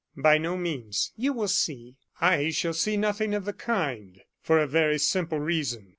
"By no means." "You will see." "I shall see nothing of the kind, for a very simple reason.